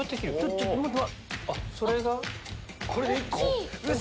ちょっと待って。